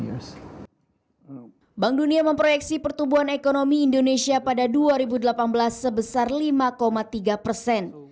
bank dunia memproyeksi pertumbuhan ekonomi indonesia pada dua ribu delapan belas sebesar lima tiga persen